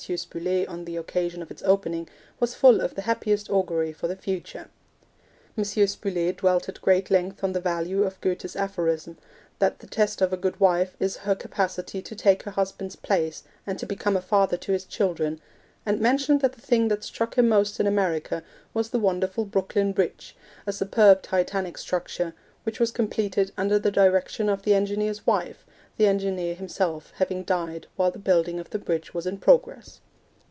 Spuller on the occasion of its opening was full of the happiest augury for the future. M. Spuller dwelt at great length on the value of Goethe's aphorism, that the test of a good wife is her capacity to take her husband's place and to become a father to his children, and mentioned that the thing that struck him most in America was the wonderful Brooklyn Bridge, a superb titanic structure, which was completed under the direction of the engineer's wife, the engineer himself having died while the building of the bridge was in progress.